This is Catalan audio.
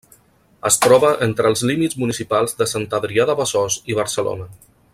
Es troba entre els límits municipals de Sant Adrià de Besòs i Barcelona.